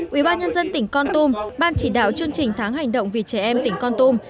ubnd tỉnh con tum ban chỉ đạo chương trình tháng hành động vì trẻ em tỉnh con tum